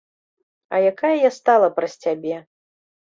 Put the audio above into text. А якая я стала праз цябе.